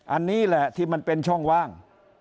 อันนี้แหละที่มันเป็นช่องว่าง